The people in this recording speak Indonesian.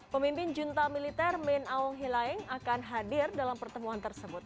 pemimpin junta militer min aung hilaieng akan hadir dalam pertemuan tersebut